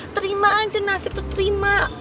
terima aja nasib itu terima